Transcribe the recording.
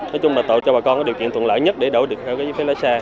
nói chung là tạo cho bà con cái điều kiện thuận lợi nhất để đổi được theo cái phía lái xa